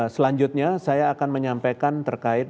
selanjutnya saya akan menyampaikan terkait